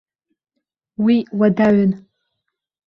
Уи уадаҩын.